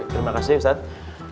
terima kasih ustadz